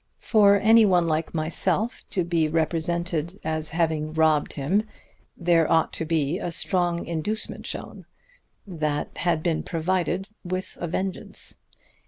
For any one like myself to be represented as having robbed him there ought to be a strong inducement shown. That had been provided with a vengeance.